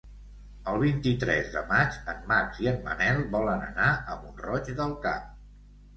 El vint-i-tres de maig en Max i en Manel volen anar a Mont-roig del Camp.